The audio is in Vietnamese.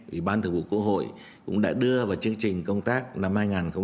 ủy ban thượng vụ cổ hội cũng đã đưa vào chương trình công tác năm hai nghìn hai mươi ba